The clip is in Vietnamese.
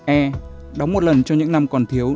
e đóng một lần cho những năm còn thiếu